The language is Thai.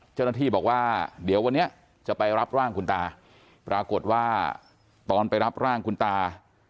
เจ้าหน้าที่บอกว่าเดี๋ยววันนี้จะไปรับร่างคุณตาปรากฏว่าตอนไปรับร่างคุณตา